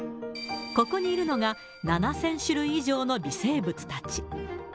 ここにいるのが、７０００種類以上の微生物たち。